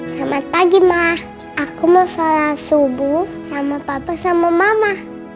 selamat pagi mah aku mau sholat subuh sama papa sama mama